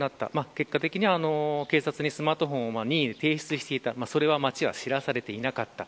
結果的には警察にスマートフォンを任意で提出したそれは町は知らされていなかった。